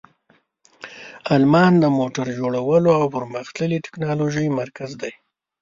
آلمان د موټر جوړولو او پرمختللې تکنالوژۍ مرکز دی.